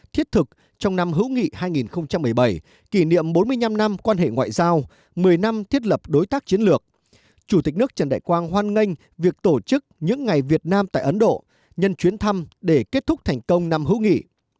thiết thực trong năm hữu nghị hai nghìn một mươi bảy